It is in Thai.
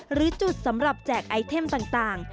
หรือจุดสำหรับแจกไอเทมต่าง